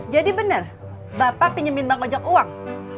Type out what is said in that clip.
jadi bener bapak pinjemin bank ojek uang